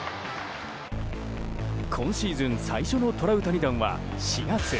今シーズン最初のトラウタニ弾は４月。